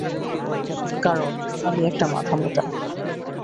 কারণ আমি একটা মাথামোটা।